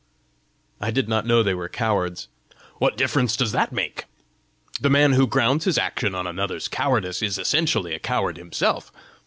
"I did not know they were cowards!" "What difference does that make? The man who grounds his action on another's cowardice, is essentially a coward himself.